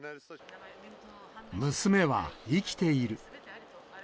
娘は生きている。